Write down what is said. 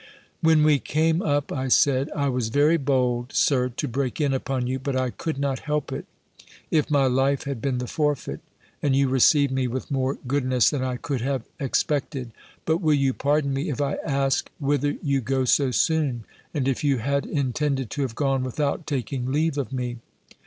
When we came up, I said, "I was very bold. Sir, to break in upon you; but I could not help it, if my life had been the forfeit; and you received me with more goodness than I could have expected. But will you pardon me, if I ask, whither you go so soon? And if you had intended to have gone without taking leave of me?"